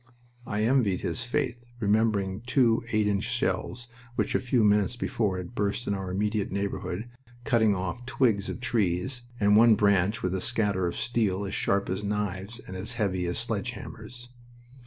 I envied his faith, remembering two eight inch shells which a few minutes before had burst in our immediate neighborhood, cutting off twigs of trees and one branch with a scatter of steel as sharp as knives and as heavy as sledge hammers.